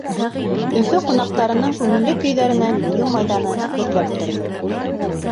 Өфө ҡунаҡтарының күңелле көйҙәренән бейеү майҙаны гөрләп торҙо.